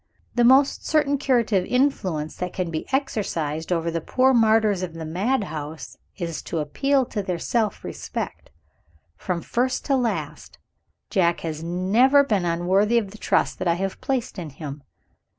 The most certain curative influence that can be exercised over the poor martyrs of the madhouse, is to appeal to their self respect. From first to last, Jack has never been unworthy of the trust that I have placed in him.